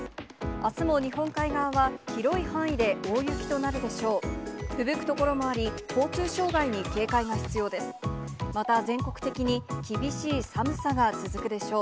あすも日本海側は広い範囲で大雪となるでしょう。